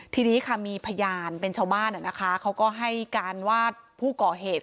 ทีนี้ค่ะมีพยานเป็นชาวบ้านเขาก็ให้การว่าผู้ก่อเหตุ